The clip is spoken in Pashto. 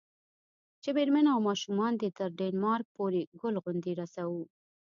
چې میرمن او ماشومان دې تر ډنمارک پورې ګل غوندې رسوو.